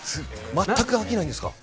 全く飽きないんですか？